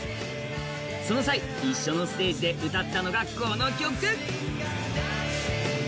その際、一緒のステージで歌ったのがこの曲。